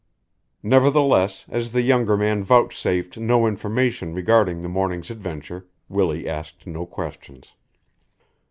Nevertheless, as the younger man vouchsafed no information regarding the morning's adventure, Willie asked no questions.